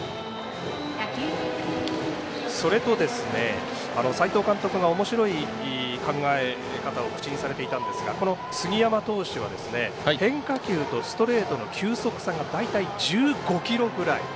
それと、斎藤監督がおもしろい考え方を口にされていたんですが杉山投手は変化球とストレートの球速差が大体１５キロぐらい。